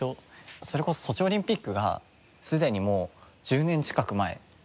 それこそソチオリンピックがすでにもう１０年近く前なんですよ。